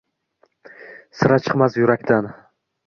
Sira chiqmas yuraqdan.